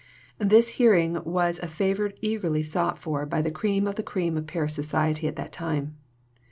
This hearing was a favour eagerly sought for by the cream of the cream of Paris society at that time."